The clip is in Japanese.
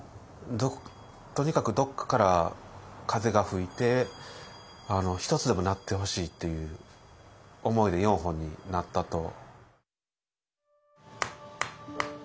とにかくどっかから風が吹いて１つでも鳴ってほしいっていう思いで４本になったと。